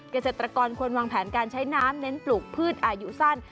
เกษตรกรควรวางแผนการใช้น้ำเน้นปลูกพืชอายุสั้น